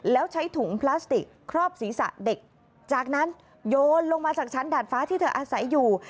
แล้วใช้ถุงพลาสติกครอบศีรษะเด็กจากนั้นโยนลงมาจากชั้นดาดฟ้าที่เธออาศัยอยู่